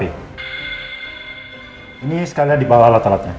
ini sekalian dibawa alat alatnya